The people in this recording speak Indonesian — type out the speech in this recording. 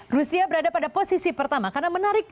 rusia berada pada posisi pertama karena menarik